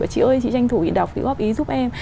chị ơi chị tranh thủ đi đọc chị góp ý giúp em